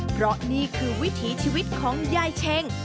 เพราะนี่คือวิถีชีวิตของยายเช็ง